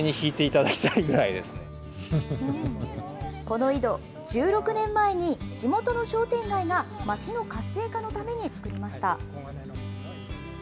この井戸、１６年前に地元の商店街が町の活性化のために作りました。